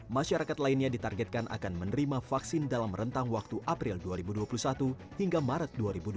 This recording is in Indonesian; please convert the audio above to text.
masyarakat lainnya ditargetkan akan menerima vaksin dalam rentang waktu april dua ribu dua puluh satu hingga maret dua ribu dua puluh